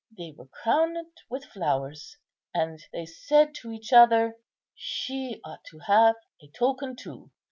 They were crowned with flowers, and they said to each other, 'She ought to have a token too.